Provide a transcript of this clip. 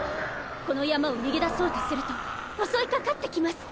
この山を逃げ出そうとすると襲いかかってきます。